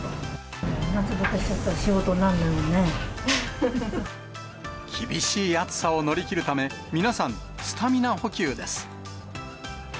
夏バテしちゃったら仕事にな厳しい暑さを乗り切るため、皆さん、スタミナ補給です。